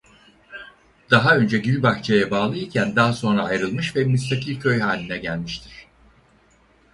Daha önce Gülbahçe'ye bağlı iken daha sonra ayrılmış ve müstakil köy haline gelmiştir.